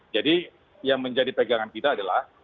jadi yang menjadi pegangan kita adalah